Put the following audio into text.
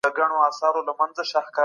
ناروغان وايي، دوی غږونه اوري.